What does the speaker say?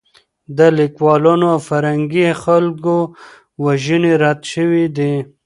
د لیکوالانو او فرهنګي خلکو وژنې رد شوې دي.